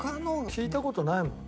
聞いた事ないもん。